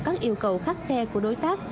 các yêu cầu khắc khe của đối tác